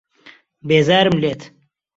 بێزارم لێت.